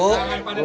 masuk pulang ya bu